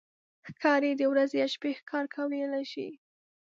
ښکاري د ورځې یا شپې ښکار کولی شي.